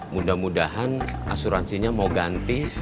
mudah mudahan asuransinya mau ganti